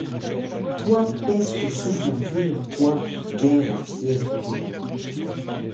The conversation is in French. Toi, peste au souffle impur, toi, guerre au fier clairon